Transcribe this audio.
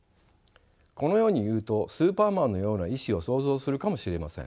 このように言うとスーパーマンのような医師を想像するかもしれません。